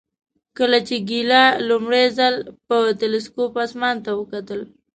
کله چې ګالیله لومړی ځل په تلسکوپ اسمان ته وکتل.